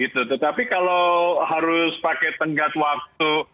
tetapi kalau harus pakai tenggat waktu